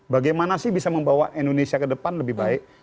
bagaimana sih bisa membawa indonesia ke depan lebih baik